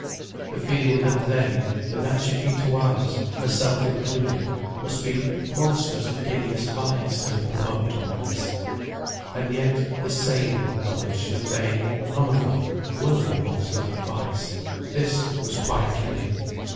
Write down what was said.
the feeling that they, the Natcha Kee Tawaras, herself included, must be monsters of hideous vice, to have provoked all this: and yet the sane knowledge that they, none of them, were monsters of vice; this was quite killing.